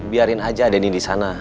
biarin aja denny disana